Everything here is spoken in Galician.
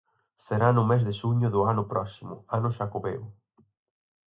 Será no mes de xuño do ano próximo, ano xacobeo.